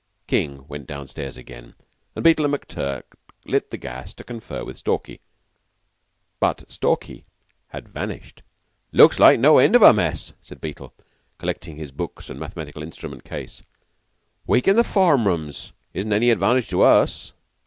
King went down stairs again, and Beetle and McTurk lit the gas to confer with Stalky. But Stalky had vanished. "Looks like no end of a mess," said Beetle, collecting his books and mathematical instrument case. "A week in the form rooms isn't any advantage to us."